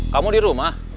kamu di rumah